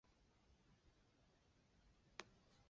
浙江余姚泗门人。